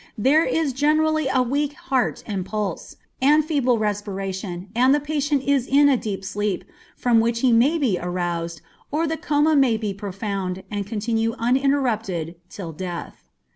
There is generally a weak heart and pulse, and feeble respiration, and the patient is in a deep sleep, from which he may be aroused; or the coma may be profound, and continue uninterrupted till death.